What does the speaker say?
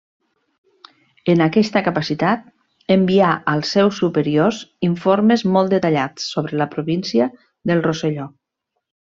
En aquesta capacitat, envià als seus superiors informes molt detallats sobre la província del Rosselló.